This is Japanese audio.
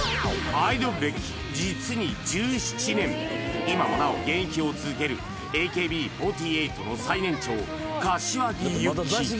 アイドル歴実に１７年今もなお現役を続けるＡＫＢ４８の最年長柏木由紀